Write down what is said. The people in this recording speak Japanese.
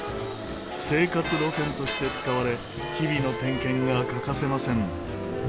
生活路線として使われ日々の点検が欠かせません。